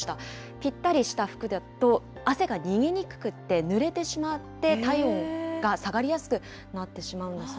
ぴったりした服だと、汗が逃げにくくてぬれてしまって、体温が下がりやすくなってしまうんだそう